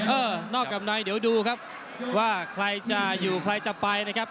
เออนอกกับในเดี๋ยวดูครับว่าใครจะอยู่ใครจะไปนะครับ